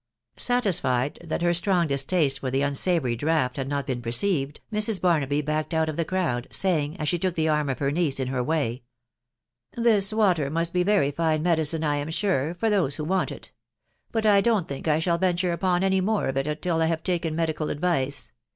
Satisfied that her strong distaste for the unaavonry dreamt had not been perceived, Mrs. Bamaby backed cms of thai nieei, saying, as she took the arm of her niece in her way* u Tail water must be a very fine medicine, I am sure, for rnnssnai want it; but I don't think I shall venture upas any meres? it till I have taken medical advice